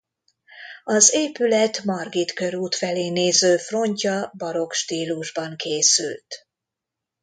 Az épület Margit körút felé néző frontja barokk stílusban készült.